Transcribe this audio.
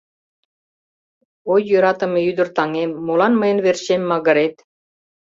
Ой, йӧратыме ӱдыр-таҥем, молан мыйын верчем магырет?